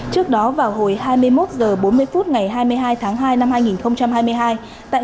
trước đó vào hồi hai mươi một h bốn mươi phút ngày hai mươi hai tháng hai năm hai nghìn hai mươi hai tại